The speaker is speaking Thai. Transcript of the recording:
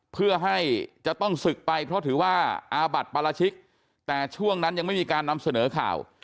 เพื่อให้จะต้องศึกไปเพราะถือว่าอาบัติปราชิกแต่ช่วงนั้นยังไม่มีการนำเสนอข่าว